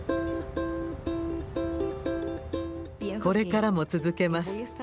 これからも続けます。